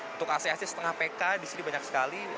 untuk ac ac setengah pk di sini banyak sekali